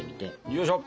よいしょ！